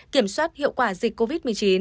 kiểm soát hiệu quả dịch covid một mươi chín